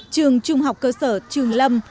trường trung học cơ sở trường lâm